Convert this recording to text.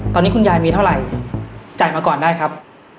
ตอนนี้คุณยายมีเท่าไหร่จ่ายมาก่อนได้ครับ